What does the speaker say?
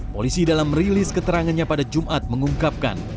polisi dalam rilis keterangannya pada jumat mengungkapkan